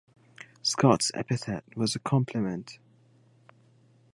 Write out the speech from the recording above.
Scott's epithet was a compliment.